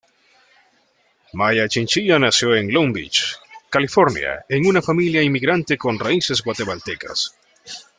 Maya Chinchilla nació en Long Beach, California en una familia inmigrante con raíces guatemaltecas.